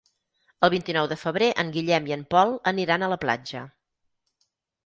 El vint-i-nou de febrer en Guillem i en Pol aniran a la platja.